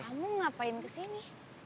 kamu ngapain ke sini